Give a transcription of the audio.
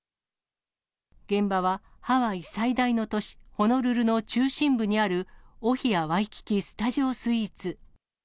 現場はハワイ最大の都市、ホノルルの中心部にある、オヒア・ワイキキ・スタジオスイーツ。